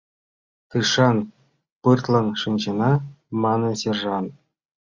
— Тышан пыртлан шинчына, — мане сержант.